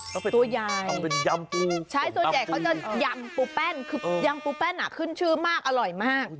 ตัวยำเป็นยำปูใช่ส่วนใหญ่เขาจะยำปูแป้นคือยำปูแป้นอ่ะขึ้นชื่อมากอร่อยมาก